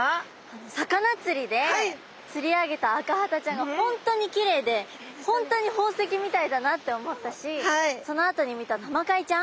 魚釣りで釣り上げたアカハタちゃんが本当にきれいで本当に宝石みたいだなって思ったしそのあとに見たタマカイちゃん。